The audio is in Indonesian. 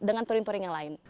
dengan touring touring yang lain